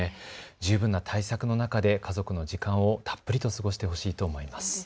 十分な対策の中で家族の時間をたっぷりと過ごしてほしいと思います。